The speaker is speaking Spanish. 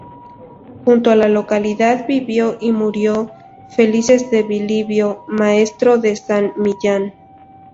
Junto a la localidad vivió y murió Felices de Bilibio, maestro de San Millán.